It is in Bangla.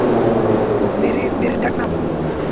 ম্যারির ডাক নাম।